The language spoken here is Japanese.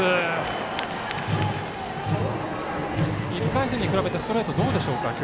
１回戦に比べてストレートどうでしょうか。